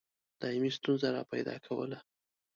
دایمي ستونزه را پیدا کوله.